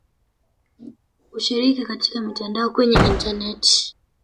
kushiriki katika mitandao kwenye intaneti.